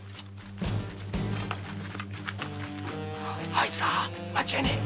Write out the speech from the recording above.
あいつだ間違いねえ。